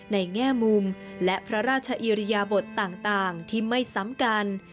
แง่มุมและพระราชอิริยบทต่างที่ไม่ซ้ำกัน